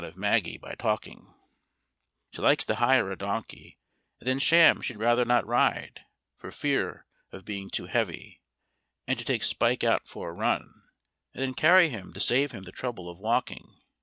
] She likes to hire a donkey, and then sham she'd rather not ride, for fear of being too heavy; and to take Spike out for a run, and then carry him to save him the trouble of walking.